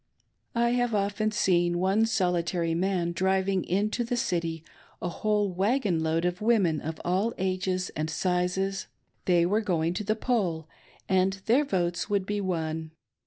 I have often seen one solitary man driving into the City a whole wagon load of women of all ages and sizes — :they were going to the poll, and their votes would be 07te